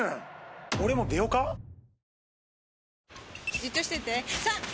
じっとしてて３！